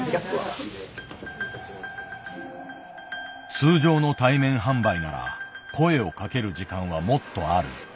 通常の対面販売なら声をかける時間はもっとある。